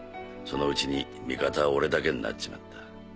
そのうちに味方は俺だけになっちまった。